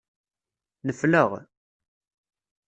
Nefleɣ.